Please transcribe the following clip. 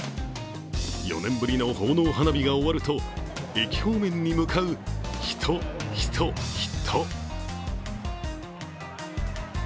４年ぶりの奉納花火が終わると、駅方面に向かう人、人、人。